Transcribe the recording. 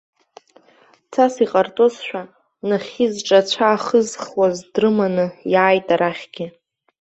Цас иҟарҵозшәа, нахьхьи зҿы ацәа ахызхуаз дрыманы иааит арахьгьы.